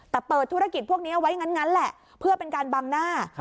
แต่เปิดธุรกิจพวกนี้เอาไว้งั้นแหละเพื่อเป็นการบังหน้า